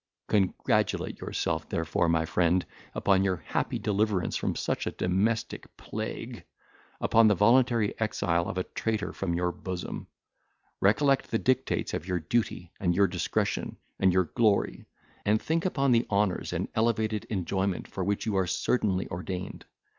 Congratulate yourself, therefore, my friend, upon your happy deliverance from such a domestic plague—upon the voluntary exile of a traitor from your bosom.—Recollect the dictates of your duty, your discretion, and your glory, and think upon the honours and elevated enjoyment for which you are certainly ordained.